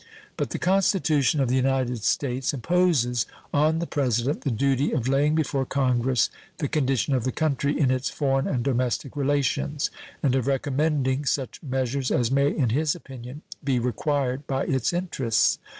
But the Constitution of the United States imposes on the President the duty of laying before Congress the condition of the country in its foreign and domestic relations, and of recommending such measures as may in his opinion be required by its interests.